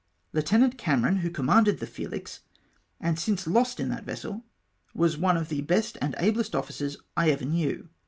Lieutenant Cameron, who commanded the Felix, and since lost in that vessel, was one of the best and ablest officers I ever knew.